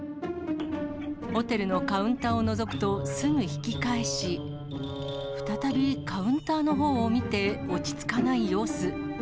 ホテルのカウンターをのぞくと、すぐ引き返し、再びカウンターのほうを見て落ち着かない様子。